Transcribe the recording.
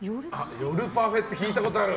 夜パフェって聞いたことある！